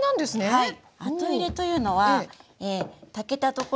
はい。